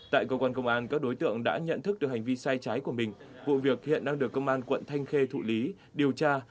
tại cơ quan công an các đối tượng đã nhận thức được hành vi sai trái của mình vụ việc hiện đang được công an quận thanh khê thụ lý điều tra